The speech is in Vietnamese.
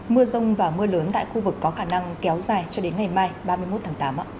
mưa rông và mưa lớn tại khu vực có khả năng kéo dài cho đến ngày mai ba mươi một tháng tám